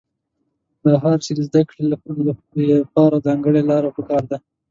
د هر شي د زده کړې له پاره ځانګړې لاره په کار ده.